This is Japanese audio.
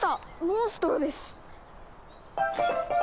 モンストロです！